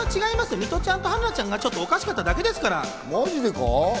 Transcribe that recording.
ミトちゃんと春菜ちゃんがちょっとおかしかっただけですから。